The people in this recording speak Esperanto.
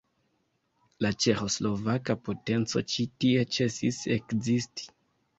La ĉeĥoslovaka potenco ĉi tie ĉesis ekzisti.